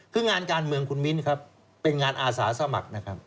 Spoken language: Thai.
คืองานการเมืองคุณมิ้นครับเป็นงานอาสาสมัครนะครับ